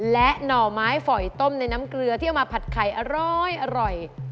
และหน่อไม้ฝอยต้มในน้ำเกลือที่เอามาผัดไข่อร้อย